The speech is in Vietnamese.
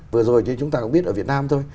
vừa rồi như chúng ta cũng biết ở việt nam thôi